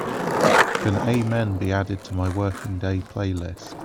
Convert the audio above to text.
Can amen be added to my working day playlist?